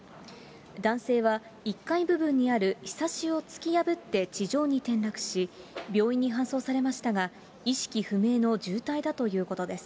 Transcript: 男性は１階部分にあるひさしを突き破って地上に転落し、病院に搬送されましたが、意識不明の重体だということです。